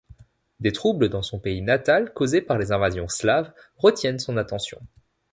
Des troubles dans son pays natal, causés par les invasions slaves, retiennent son attention.